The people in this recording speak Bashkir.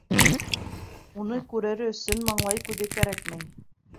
Уны күрер өсөн маңлай күҙе кәрәкмәй.